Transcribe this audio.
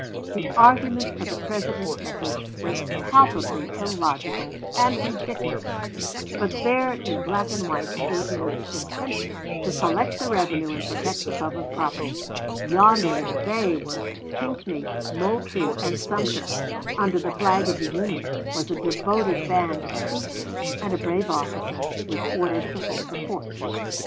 The argument of the President's message was palpably illogical and ridiculous, but there in black and white stood his intention to collect the revenue and protect the public property; yonder in the bay were Pinckney, Moultrie, and Sumter; under the flag of the Union was a devoted band of troops and a brave officer, with orders to hold the fort.